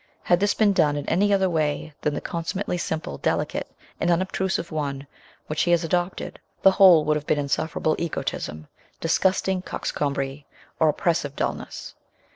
Had this been done in any other way than the consummately simple, delicate, and unobtrusive one which he has adopted, the whole would have been insufferable egotism, disgusting coxcombry, or oppressive dulness.